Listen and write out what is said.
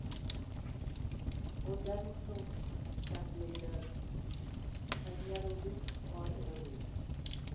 Organotrophs can be either anaerobic or aerobic.